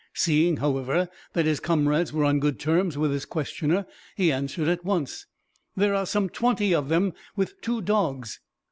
Seeing, however, that his comrades were on good terms with his questioner, he answered at once: "There are some twenty of them, with two dogs."